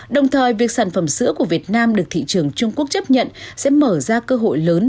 đồng thời việc sản phẩm sữa của việt nam được thị trường trung quốc chấp nhận sẽ mở ra cơ hội lớn